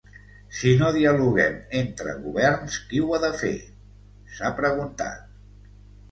Si no dialoguem entre governs, qui ho ha de fer?, s’ha preguntat.